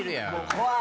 怖い！